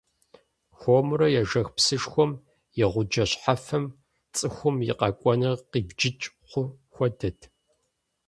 Хуэмурэ ежэх псышхуэм и гъуджэ щхьэфэм цӏыхум и къэкӏуэнур къибджыкӏ хъу хуэдэт.